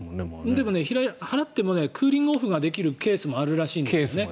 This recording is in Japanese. でも、払ってもクーリングオフができるケースもあるらしいんですね。